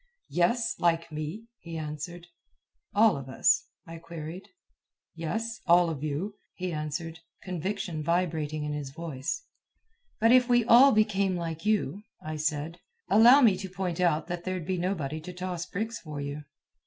"Yes, like me," he answered. "All of us?" I queried. "Yes, all of you," he answered, conviction vibrating in his voice. "But if we all became like you," I said, "allow me to point out that there'd be nobody to toss bricks for you."